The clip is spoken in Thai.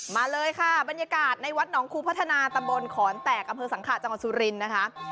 มาเลยค่ะบรรยากาศในวัดหนองครูพัฒนาตำบลขอนแตกอำเภอสังขะจังหวัดสุรินทร์นะคะ